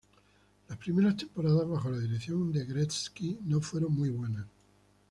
Las primeras temporadas bajo la dirección de Gretzky no fueron muy buenas.